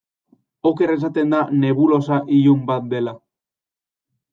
Oker esaten da nebulosa ilun bat dela.